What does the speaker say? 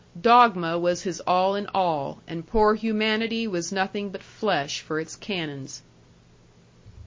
Dogma was his all in all, and poor humanity was nothing but flesh for its canons.